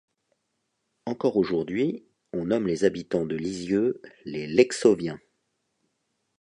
Encore aujourd'hui, on nomme les habitants de Lisieux, les Lexoviens.